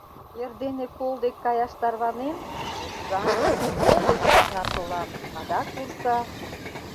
Эрдене кол дек каяш тарванем — вурса, кол деч посна толам — адак вурса.